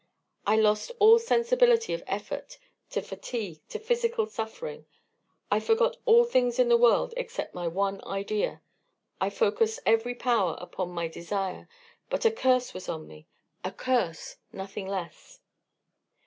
I lost all sensibility to effort, to fatigue, to physical suffering; I forgot all things in the world except my one idea. I focussed every power upon my desire, but a curse was on me. A curse! Nothing less.